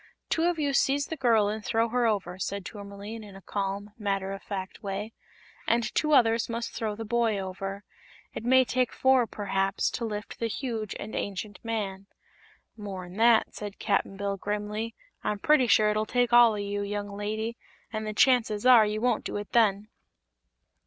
"Two of you seize the girl and throw her over," said Tourmaline, in a calm, matter of fact way, "and two others must throw the boy over. It may take four, perhaps, to lift the huge and ancient man." "More'n that," said Cap'n Bill, grimly. "I'm pretty sure it'll take all o' you, young lady, an' the chances are you won't do it then."